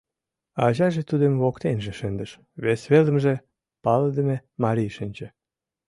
Ачаже тудым воктенже шындыш, вес велымже палыдыме марий шинче.